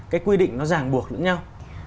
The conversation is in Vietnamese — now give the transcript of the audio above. cái quy định nó ràng buộc lẫn nhau